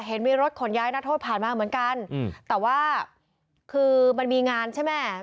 เห็นมีรถขนย้ายนักโทษผ่านมาเหมือนกันแต่ว่าคือมันมีงานใช่ไหม